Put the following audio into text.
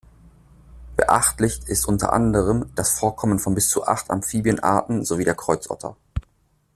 Beachtlich ist unter anderem das Vorkommen von bis zu acht Amphibienarten sowie der Kreuzotter.